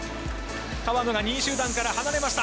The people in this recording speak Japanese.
川野が２位集団から離れました。